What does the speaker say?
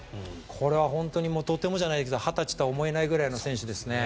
これは本当にとてもじゃないけど２０歳とは思えないぐらいの選手ですね。